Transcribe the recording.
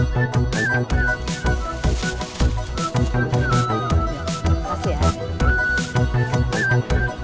terima kasih ya